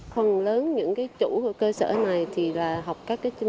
phần lớn những chủ của cơ sở này là học các chinh tế